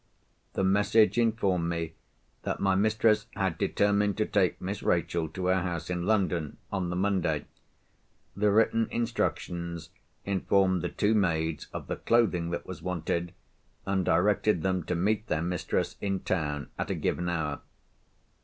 The message informed me that my mistress had determined to take Miss Rachel to her house in London, on the Monday. The written instructions informed the two maids of the clothing that was wanted, and directed them to meet their mistresses in town at a given hour.